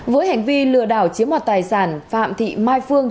với hành vi lừa đảo chiếm hoạt tài sản phạm thị mai phương